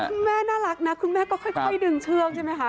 คุณแม่น่ารักนะคุณแม่ก็ค่อยดึงเชือกใช่ไหมคะ